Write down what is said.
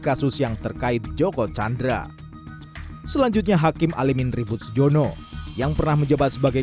kasus yang terkait joko chandra selanjutnya hakim alimin ribut sujono yang pernah menjabat sebagai